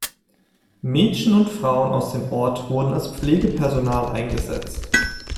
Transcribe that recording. Mädchen und Frauen aus dem Ort wurden als Pflegepersonal eingesetzt.